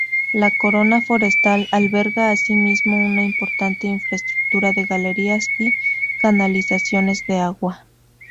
La Corona Forestal alberga asimismo una importante infraestructura de galerías y canalizaciones de agua.